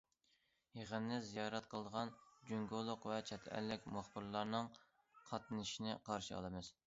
يىغىننى زىيارەت قىلىدىغان جۇڭگولۇق ۋە چەت ئەللىك مۇخبىرلارنىڭ قاتنىشىشىنى قارشى ئالىمىز.